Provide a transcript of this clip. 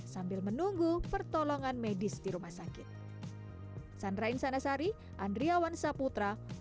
sambil menunggu pertolongan medis di rumah sakit